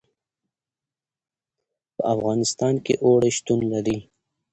په افغانستان کې اوړي شتون لري.